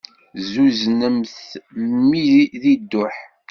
Zuznemt mmi di dduḥ.